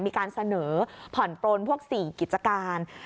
มีการเสนอผ่อนปลนพวก๔กิจการ